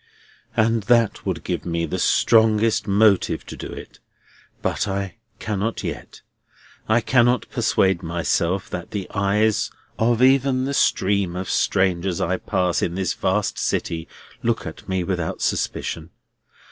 "And that would give me the strongest motive to do it. But I cannot yet. I cannot persuade myself that the eyes of even the stream of strangers I pass in this vast city look at me without suspicion.